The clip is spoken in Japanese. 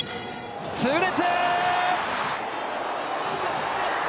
痛烈！